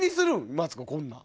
マツコこんなん。